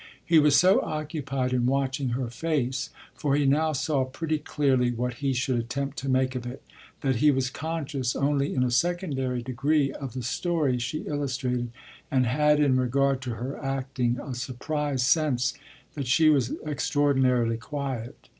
He was so occupied in watching her face for he now saw pretty clearly what he should attempt to make of it that he was conscious only in a secondary degree of the story she illustrated, and had in regard to her acting a surprised sense that she was extraordinarily quiet.